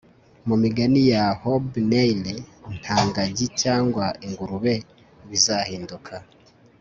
mu migani ya hobnail nta ngagi cyangwa ingurube bizahinduka